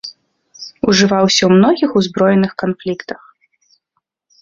Ужываўся ў многіх узброеных канфліктах.